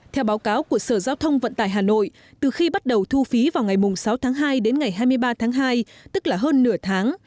theo báo cáo của sở giao thông vận tải hà nội từ khi bắt đầu thu phí vào ngày sáu tháng hai đến ngày hai mươi ba tháng hai tức là hơn nửa tháng